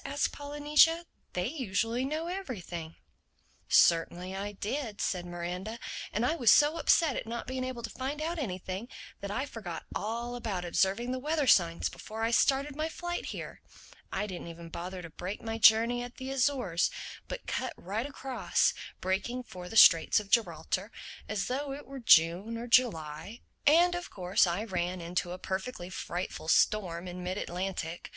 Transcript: asked Polynesia. "They usually know everything." "Certainly I did," said Miranda. "And I was so upset at not being able to find out anything, that I forgot all about observing the weather signs before I started my flight here. I didn't even bother to break my journey at the Azores, but cut right across, making for the Straits of Gibraltar—as though it were June or July. And of course I ran into a perfectly frightful storm in mid Atlantic.